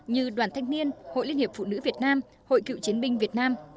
như đoàn thanh niên hội liên hiệp phụ nữ việt nam hội cựu chiến binh việt nam